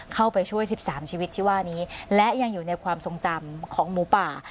เข้าไปช่วย๑๓ชีวิตที่ว่านี้และยังอยู่ในความทรงจำของหมูป่า